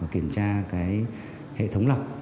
kiểm tra hệ thống lọc